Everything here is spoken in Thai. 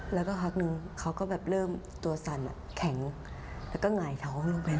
แล้วก็พักนึงเขาก็แบบเริ่มตัวสั่นแข็งแล้วก็หงายท้องลงไป